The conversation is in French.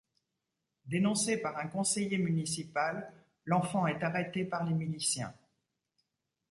Dénoncé par un conseiller municipal, l'enfant est arrêté par les miliciens.